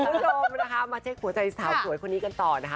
คุณผู้ชมนะคะมาเช็คหัวใจสาวสวยคนนี้กันต่อนะคะ